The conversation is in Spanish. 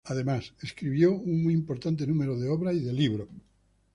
Además, escribió un muy importante número de obras y de libros.